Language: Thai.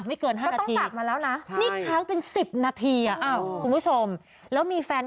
อันนี้ไงคือยุ่น